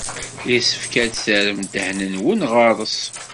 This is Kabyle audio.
Yessefk ad terrem ddehn-nwen ɣer-s.